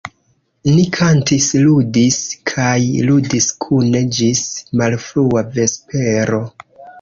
Ni kantis, ludis kaj ludis kune ĝis malfrua vespero.